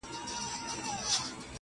غرونه او فضا ورته د خپل درد برخه ښکاري-